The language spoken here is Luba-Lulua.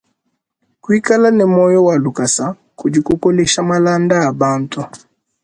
Kuikala ne moyi wa lusa kudi kukolesha malanda a bantu.